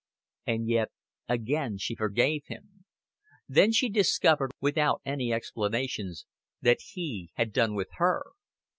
And yet again she forgave him. Then she discovered, without any explanations, that he had done with her.